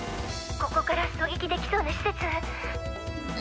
ここから狙撃できそうな施設。